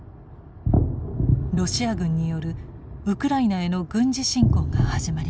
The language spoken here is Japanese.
ロシア軍によるウクライナへの軍事侵攻が始まりました。